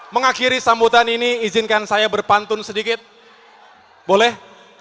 mengakhiri sambutan ini izinkan saya berpantun sedikit boleh